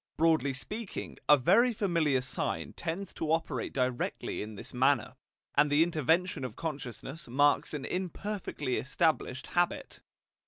Broadly speaking, a very familiar sign tends to operate directly in this manner, and the intervention of consciousness marks an imperfectly established habit.